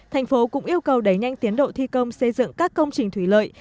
thành phố cũng yêu cầu đẩy nhanh tiến độ thi công xây dựng các công trình thủy lợi